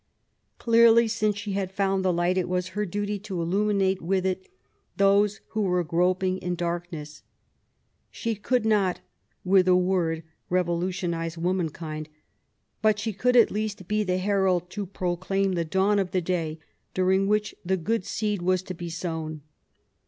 Clearly, since she had found the light, it was her duty to illuminate with it those who were groping in dark ness. She could not with a word revolutionize woman kind, but she could at least be the herald to proclaim the dawn of the day during which the good seed was to be sown.